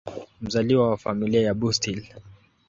Mzaliwa wa Familia ya Bustill.